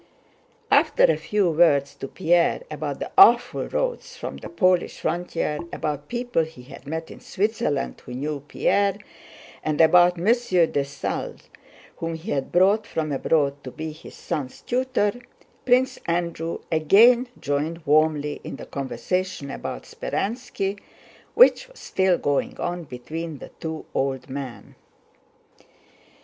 After a few words to Pierre about the awful roads from the Polish frontier, about people he had met in Switzerland who knew Pierre, and about M. Dessalles, whom he had brought from abroad to be his son's tutor, Prince Andrew again joined warmly in the conversation about Speránski which was still going on between the two old men.